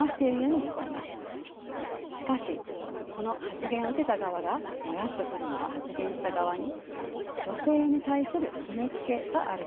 しかしこの発言を受けた側がモヤっとするのは発言した側に女性に対する決めつけがあるからです。